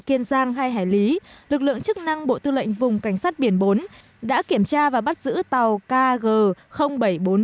kiên giang hai hải lý lực lượng chức năng bộ tư lệnh vùng cảnh sát biển bốn đã kiểm tra và bắt giữ tàu kg bảy trăm bốn mươi năm